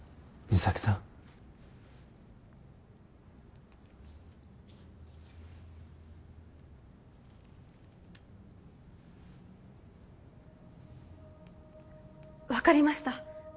三咲さん分かりました